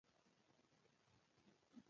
وسله د یووالي پر ضد ده